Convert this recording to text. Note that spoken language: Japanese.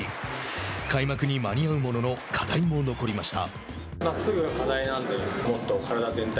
開幕に間に合うものの課題も残りました。